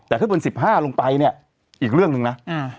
แต่ถ้าเป็น๑๕ลงไปเนี่ยอีกเรื่องหนึ่งนะ